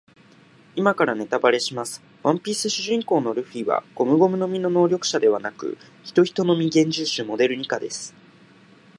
今からネタバレします。ワンピース主人公のルフィはゴムゴムの実の能力者ではなく、ヒトヒトの実幻獣種モデルニカです。